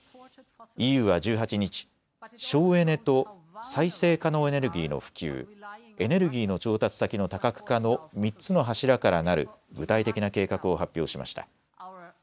ＥＵは１８日、省エネと再生可能エネルギーの普及、エネルギーの調達先の多角化の３つの柱からなる具体的な計画を発表しました。